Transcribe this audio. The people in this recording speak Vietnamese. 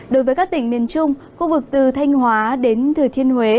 đối với các tỉnh miền trung khu vực từ thanh hóa đến thừa thiên huế